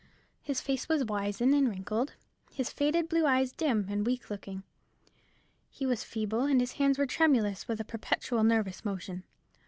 His face was wizen and wrinkled, his faded blue eyes dim and weak looking. He was feeble, and his hands were tremulous with a perpetual nervous motion.